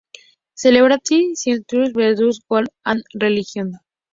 Celebrity scientists versus God and religion".